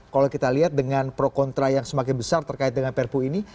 kalau kita lihat dengan pro kontra yang semakin besar terkait dengan perpu ini